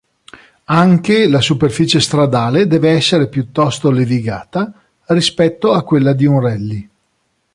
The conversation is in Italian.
Anche la superficie stradale deve essere piuttosto levigata rispetto a quella di un Rally.